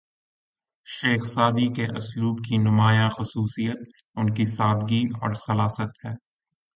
شیخ سعدی کے اسلوب کی نمایاں خصوصیت ان کی سادگی اور سلاست ہے